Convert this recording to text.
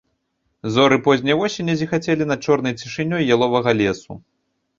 Зоры позняй восені зіхацелі над чорнай цішынёй яловага лесу.